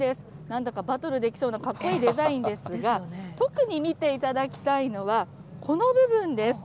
なんだかバトルできそうなかっこいいデザインですが、特に見ていただきたいのは、この部分です。